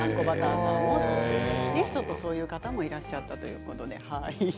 そういう方もいらっしゃったということです。